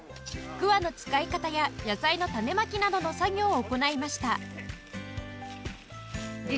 鍬の使い方や野菜の種まきなどの作業を行いました